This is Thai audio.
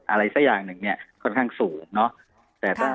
อะไรสักอย่างหนึ่งเนี่ยค่อนข้างสูงเนอะ